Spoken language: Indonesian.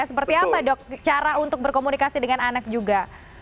seperti apa dok cara untuk berkomunikasi dengan anak juga